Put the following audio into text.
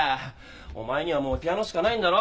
お前にはもうピアノしかないんだろ！？